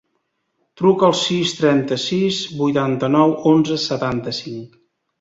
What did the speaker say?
Truca al sis, trenta-sis, vuitanta-nou, onze, setanta-cinc.